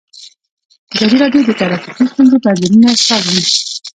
ازادي راډیو د ټرافیکي ستونزې بدلونونه څارلي.